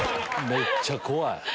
めっちゃ怖い！